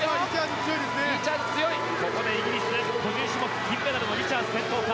イギリス、個人種目金メダルのリチャーズが先頭か。